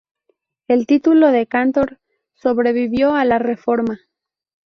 El título de "Kantor" sobrevivió a la Reforma.